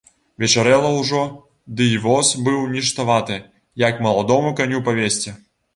Вечарэла ўжо, ды й воз быў ніштаваты, як маладому каню павезці.